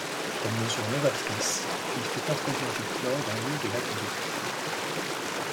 Comme mesure novatrice, il fait introduire du chlore dans l'eau de l'Aqueduc.